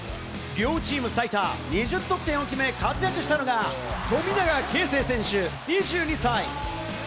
両チーム最多２０得点を決め、活躍したのが富永啓生選手、２２歳。